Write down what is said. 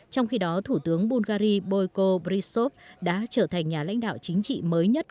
trong khi đó thủ tướng bulgari boiko brisov đã trở thành nhà lãnh đạo chính trị mới nhất